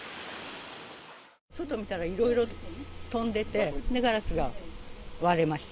外見たらいろいろ飛んでて、ガラスが割れました。